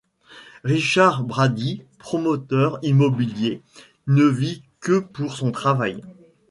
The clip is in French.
Richard Bradi, promoteur immobilier, ne vit que pour son travail.